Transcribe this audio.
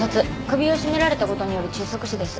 首を絞められたことによる窒息死です。